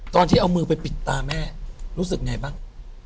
ตอนที่เอามือไปปิดตาแม่รู้สึกไงบ้าง